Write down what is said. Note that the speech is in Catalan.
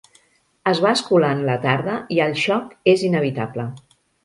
Es va escolant la tarda i el xoc és inevitable.